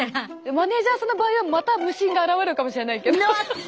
マネージャーさんの場合はまた無心が現れるかもしれないけど。